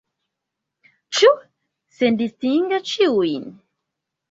Ĉu sendistinge ĉiujn?